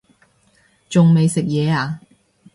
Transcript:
仲未食嘢呀